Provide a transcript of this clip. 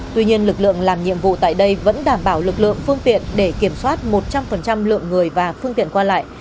tuy nhiên lực lượng làm nhiệm vụ tại đây vẫn đảm bảo lực lượng phương tiện để kiểm soát một trăm linh lượng người và phương tiện qua lại